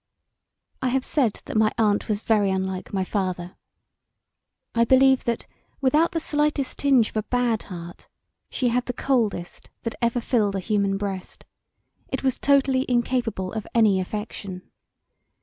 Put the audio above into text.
I have said that my aunt was very unlike my father. I believe that without the slightest tinge of a bad heart she had the coldest that ever filled a human breast: it was totally incapable of any affection.